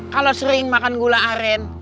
kalau sering makan gula aren